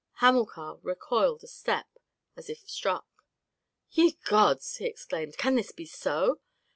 Hamilcar recoiled a step as if struck. "Ye gods!" he exclaimed, "can this be so?